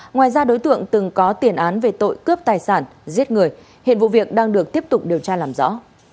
ngoài ra đối tượng từng có tiền án về tội cướp tài sản giết người hiện vụ việc đang được tiếp tục điều tra làm rõ